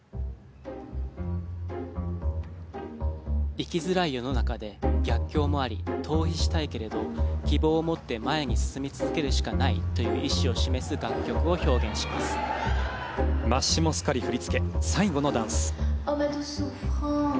生きづらい世の中で逆境もあり、逃避したいけど希望を持って前に進むしかないという意思を表現するマッシモ・スカリ振り付け「最後のダンス」。